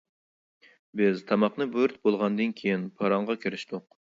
بىز تاماقنى بۇيرۇتۇپ بولغاندىن كېيىن پاراڭغا كىرىشتۇق.